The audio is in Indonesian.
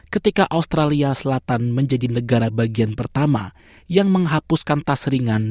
ketika australia selatan menjadi negara bagian pertama yang menghapuskan tas ringan